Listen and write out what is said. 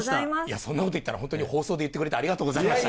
そんなこと言ったら、放送で言ってくれて、ありがとうございました。